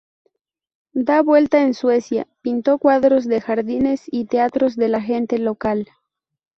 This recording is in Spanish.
De vuelta en Suecia pintó cuadros de jardines y retratos de la gente local.